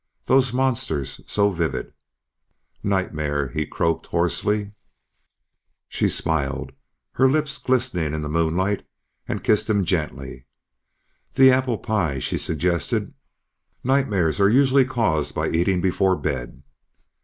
Those monsters! So vivid! "Nightmare," he croaked hoarsely. She smiled, her lips glistening in the moonlight, and kissed him gently. "The apple pie," she suggested. "Nightmares are usually caused by eating before bed."